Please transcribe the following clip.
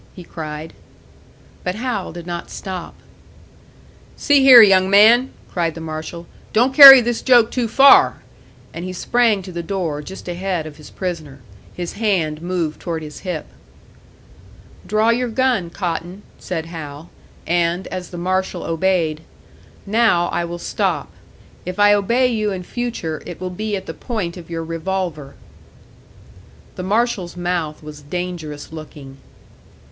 he cried. But Hal did not stop. "See here, young man!" cried the marshal. "Don't carry this joke too far!" And he sprang to the door, just ahead of his prisoner. His hand moved toward his hip. "Draw your gun, Cotton," said Hal; and, as the marshal obeyed, "Now I will stop. If I obey you in future, it will be at the point of your revolver." The marshal's mouth was dangerous looking.